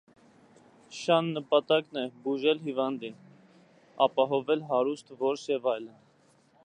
Շյան նպատակն է «բուժել» հիվանդին, «ապահովել» հարուստ որս և այլն։